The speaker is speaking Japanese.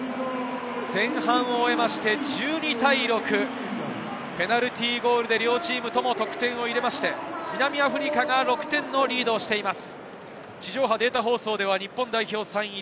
前半を終えて１２対６、ペナルティーゴールで両チームとも得点を入れまして、南アフリカが６点のリードをしています。